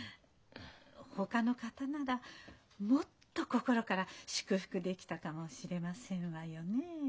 ほかの方ならもっと心から祝福できたかもしれませんわよねえ。